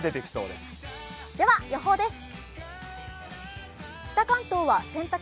では、予報です。